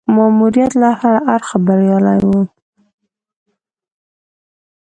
ماموریت له هره اړخه بریالی وو.